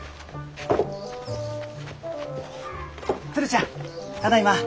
鶴ちゃんただいま。